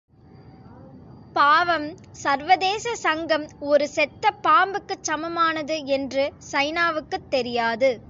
பாவம், சர்வதேச சங்கம் ஒரு செத்தபாம்புக்குச் சமானமானது என்று சைனாவுக்குத் தெரியாது.